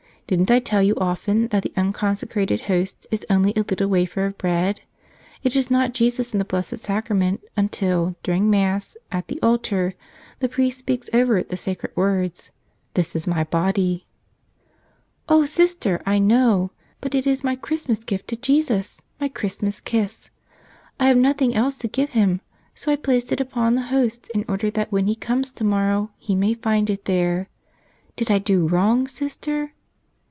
Didn't I tell you often that the unconsecrated host is only a little wafer of bread? It is not Jesus in the Blessed Sacrament until, during Mass, at the altar, the priest speaks over it the sacred words, 'This is My Body.' " "O Sister, I know. But it is my Christmas gift to Jesus, my Christmas kiss. I have nothing else to give Him, so I placed it upon the host in order that when He comes tomorrow He may find it there. Did I do wrong, Sister?"